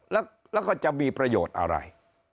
แล้วก็จะมีประโยชน์อะไร